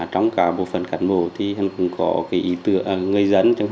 trong cả bộ phần cản bộ thì em cũng có cái ý tưởng người dân